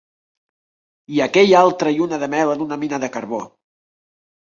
I aquella altra lluna de mel en una mina de carbó!